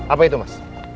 apa itu mas